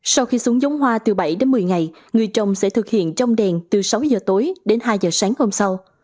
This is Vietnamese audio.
sau khi xuống giống hoa từ bảy đến một mươi ngày người trồng sẽ thực hiện trong đèn từ sáu giờ tối đến hai giờ sáng hôm sau